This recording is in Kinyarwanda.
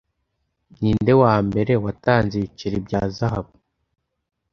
Ninde wambere watanze ibiceri bya zahabu